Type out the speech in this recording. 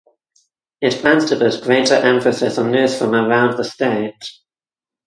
It plans to put greater emphasis on news from around the state.